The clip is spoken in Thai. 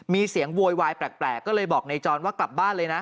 มีเสียงโวยวายแปลกก็เลยบอกนายจรว่ากลับบ้านเลยนะ